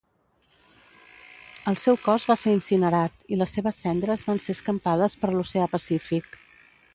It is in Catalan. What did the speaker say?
El seu cos va ser incinerat i les seves cendres van ser escampades per l'oceà Pacífic.